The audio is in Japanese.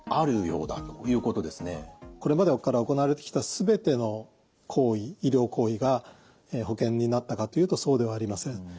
これまで行われてきた全ての医療行為が保険になったかというとそうではありません。